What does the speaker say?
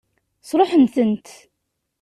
Sṛuḥen-tent?